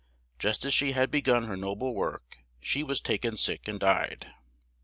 Just as she had be gun her no ble work she was ta ken sick and died.